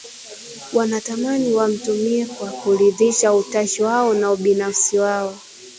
wanatamani wamtumie kwa kuridhisha utashi wao na ubinafsi wao